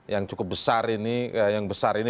yang cukup besar ini